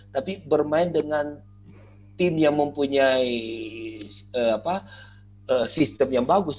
tapi bermain dengan tim yang mempunyai sistem yang bagus